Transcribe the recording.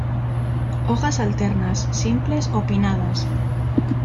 Hojas alternas, simples o pinnadas.